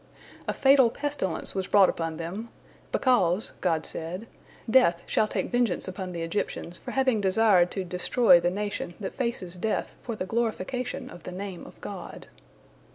A fatal pestilence was brought upon them, "because," God said, "death shall take vengeance upon the Egyptians for having desired to destroy the nation that faces death for the glorification of the Name of God."